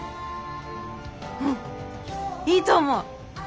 うんいいと思う！